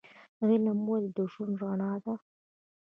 علم ولې د ژوند رڼا ده؟